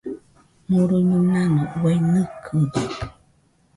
Murui-muinanɨ uai nɨkɨdo.